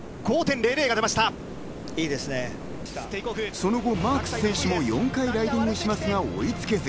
その後、マークス選手も４回ライディングしますが追いつけず。